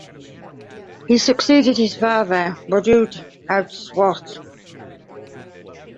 He succeeded his father, Wadud of Swat.